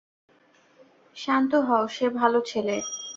শান্ত হও, সে ভালো ছেলে।